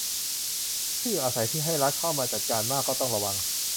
ที่อยู่อาศัยที่ให้รัฐเข้ามาจัดการมาก ก็ต้องระวัง